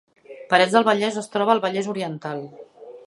Parets del Vallès es troba al Vallès Oriental